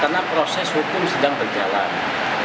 karena proses hukum sedang berjalan